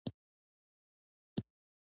د باغونو ښه مدیریت د مېوو حاصل زیاتوي.